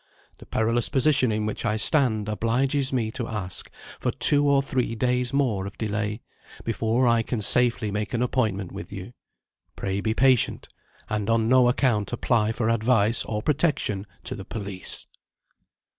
The perilous position in which I stand obliges me to ask for two or three days more of delay, before I can safely make an appointment with you. Pray be patient and on no account apply for advice or protection to the police."